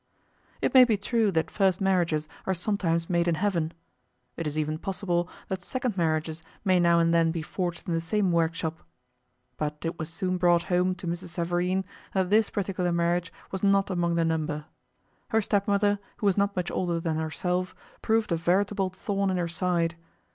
It may be true that first marriages are sometimes made in Heaven. It is even possible that second marriages may now and then be forged in the same workshop. But it was soon brought home to Mrs. Savareen that this particular marriage was not among the number. Her stepmother, who was not much older than herself, proved a veritable thorn in her side.